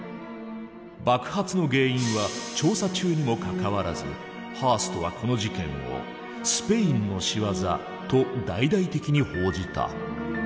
爆発の原因は調査中にもかかわらずハーストはこの事件を「スペインの仕業」と大々的に報じた。